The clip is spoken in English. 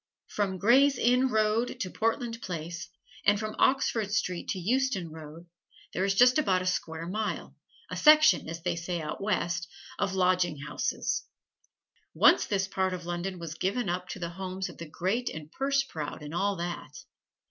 From Gray's Inn Road to Portland Place, and from Oxford Street to Euston Road, there is just about a square mile a section, as they say out West of lodging houses. Once this part of London was given up to the homes of the great and purse proud and all that.